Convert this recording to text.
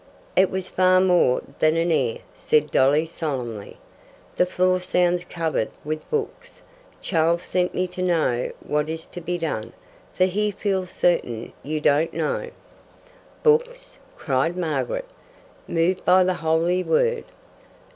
"It was far more than an air," said Dolly solemnly. "The floor sounds covered with books. Charles sent me to know what is to be done, for he feels certain you don't know." "Books!" cried Margaret, moved by the holy word.